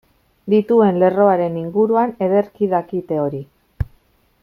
Dituen lerroaren inguruan ederki dakite hori.